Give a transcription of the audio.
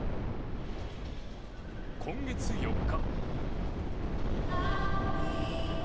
今月４日。